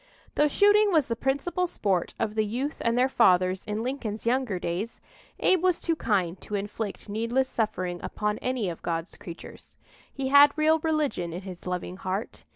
Though shooting was the principal sport of the youth and their fathers in Lincoln's younger days, Abe was too kind to inflict needless suffering upon any of God's creatures. He had real religion in his loving heart.